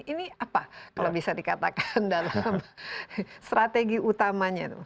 ini apa kalau bisa dikatakan dalam strategi utamanya